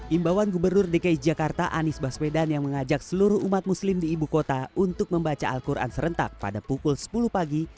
imbawan gubernur dki jakarta anies baswedan yang mengajak seluruh umat muslim di ibu kota untuk membaca al quran serentak pada pukul sepuluh pagi